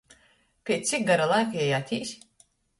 Piec cik gara laika jei atīs?